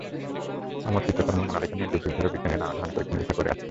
অমর চিত্রকর্ম মোনালিসা নিয়ে যুগ যুগ ধরে বিজ্ঞানীরা নানা ধরনের পরীক্ষা-নিরীক্ষা করে আসছেন।